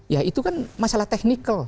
ya itu kan masalah technical